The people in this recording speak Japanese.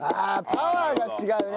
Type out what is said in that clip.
パワーが違うね。